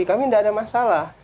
kami nggak ada masalah